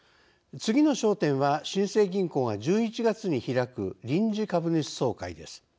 次の焦点は新生銀行が１１月に開く臨時株主総会です。